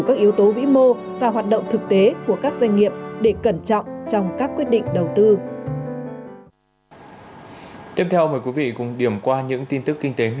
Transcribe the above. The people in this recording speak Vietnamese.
các yếu tố vĩ mô và hoạt động thực tế của các doanh nghiệp để cẩn trọng trong các quyết định đầu tư